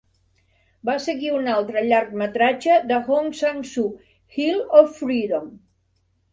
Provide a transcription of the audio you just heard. Va seguir un altre llargmetratge de Hong Sang-soo, "Hill of Freedom".